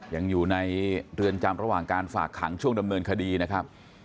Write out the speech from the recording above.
ยังอยู่ในเรือนจำระหว่างการฝากขังช่วงดำเนินคดีนะครับ